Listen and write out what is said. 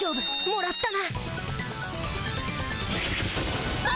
もらった！